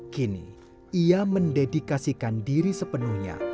kini ia mendedikasikan diri sepenuhnya